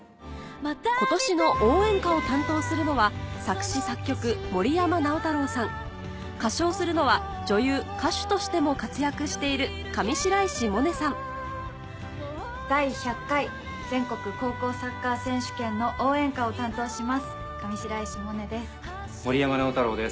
今年の応援歌を担当するのは作詞作曲森山直太朗さん歌唱するのは女優・歌手としても活躍している第１００回全国高校サッカー選手権の応援歌を担当します上白石萌音です。